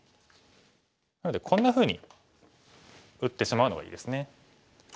なのでこんなふうに打ってしまうのがいいですね。